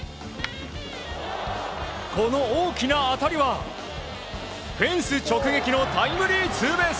この大きな当たりはフェンス直撃のタイムリーツーベース。